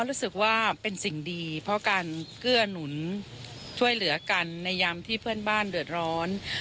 รู้สึกว่าเป็นสิ่งดีเพราะการเกื้อหนุนช่วยเหลือกันในยามที่เพื่อนบ้านเดือดร้อน